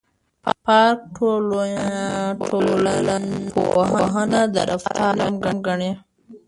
پارک ټولنپوهنه د رفتار علم ګڼي.